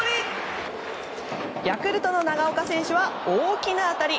ヤクルトの長岡選手は大きな当たり。